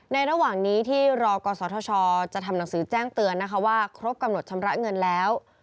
ระหว่างนี้ที่รอกศธชจะทำหนังสือแจ้งเตือนนะคะว่าครบกำหนดชำระเงินแล้ว